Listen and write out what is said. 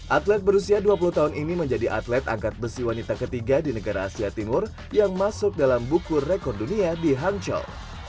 atlet berusia dua puluh tahun ini menjadi atlet angkat besi wanita ketiga di negara asia timur yang masuk dalam buku rekor dunia di hangzhou